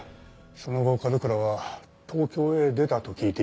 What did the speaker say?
その後角倉は東京へ出たと聞いていたんですが。